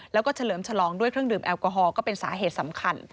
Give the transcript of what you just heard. แล้วก็เฉลิมฉลองด้วยเครื่องดื่มแอลกอฮอลก็เป็นสาเหตุสำคัญ